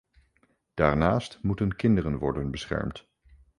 Daarnaast moeten kinderen worden beschermd.